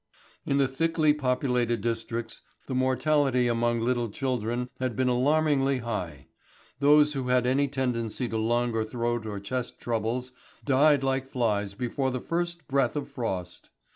In the thickly populated districts the mortality amongst little children had been alarmingly high. Those who had any tendency to lung or throat or chest troubles died like flies before the first breath of frost.